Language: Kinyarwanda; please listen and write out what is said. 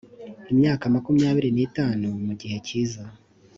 imyaka makumyabiri n itanu mu gihe kiza